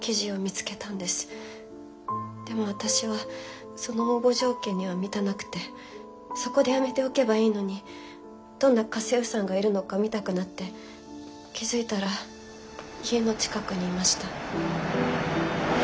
でも私はその応募条件には満たなくてそこでやめておけばいいのにどんな家政婦さんがいるのか見たくなって気付いたら家の近くにいました。